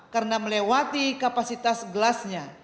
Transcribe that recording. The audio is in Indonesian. karena melewati kapasitas gelasnya